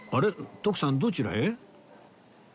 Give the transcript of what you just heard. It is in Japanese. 徳さんどちらへ？